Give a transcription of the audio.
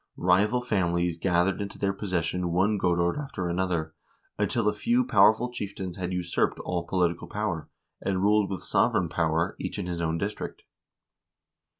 Rival families gathered into their possession one godord after another, until a few powerful chieftains had usurped all political power, and ruled with sovereign power, each in his own district.